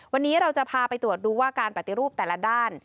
วันนี้เราจะพาไปตรวจดูว่าการปฏิรูปแต่ละด้าน